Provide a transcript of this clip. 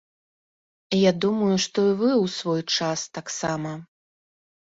Я думаю, што і вы ў свой час таксама.